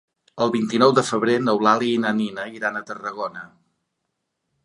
El vint-i-nou de febrer n'Eulàlia i na Nina iran a Tarragona.